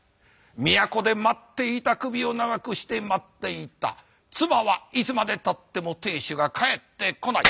都で待っていた首を長くして待っていた妻はいつまでたっても亭主が帰ってこない。